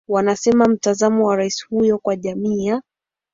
wanasema mtazamo wa rais huyo kwa jamii ya